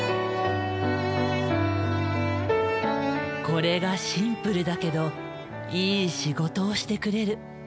これがシンプルだけどいい仕事をしてくれる。